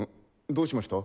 どうしました？